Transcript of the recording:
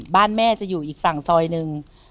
แม่จะอยู่อีกฝั่งซอยหนึ่ง